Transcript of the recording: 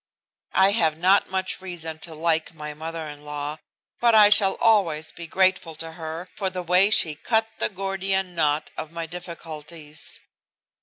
I have not much reason to like my mother in law, but I shall always be grateful to her for the way she cut the Gordian knot of my difficulties.